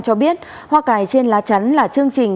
cho biết hoa cài trên lá chắn là chương trình